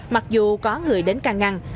mặc dù có người đến ca ngăn